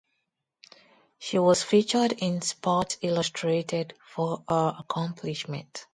She was featured in "Sports Illustrated" for her accomplishment.